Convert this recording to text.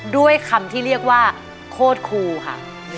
ด้วยคำที่เรียกว่าโคตรครูค่ะ